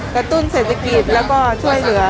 ตุ้นเศรษฐกิจแล้วก็ช่วยเหลือ